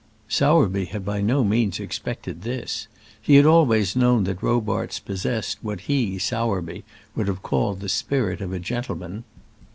Sowerby had by no means expected this. He had always known that Robarts possessed what he, Sowerby, would have called the spirit of a gentleman.